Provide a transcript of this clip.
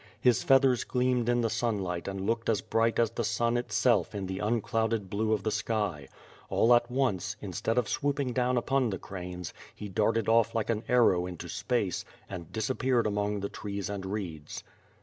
His feathers gleamed in the sunlight and looked as bright as the sun itself in the unclouded blue of the sky. x\ll at once, instead of swooping down upon the cranes, he darted off like an arrow into space, and disappeared among the trees and reeds.